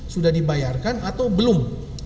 sudah dibayarkan atau belum